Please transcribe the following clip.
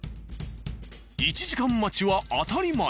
１時間待ちは当たり前。